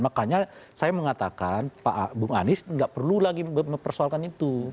makanya saya mengatakan pak bung anies tidak perlu lagi mempersoalkan itu